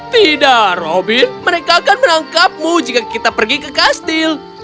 tidak robin mereka akan menangkapmu jika kita pergi ke kastil